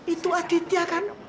itu aditya kan